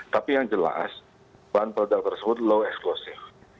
tapi yang jelas bahan peledak tersebut low exclosive